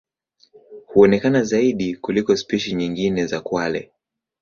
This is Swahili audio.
Huonekana zaidi kuliko spishi nyingine za kwale.